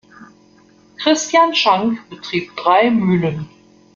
Christian Shank betrieb drei Mühlen.